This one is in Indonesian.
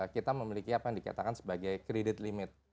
kita memiliki apa yang dikatakan sebagai kredit limit